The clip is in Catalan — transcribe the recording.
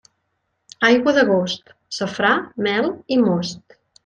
Aigua d'agost: safrà, mel i most.